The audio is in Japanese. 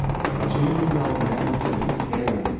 住民らを悩ませる騒音。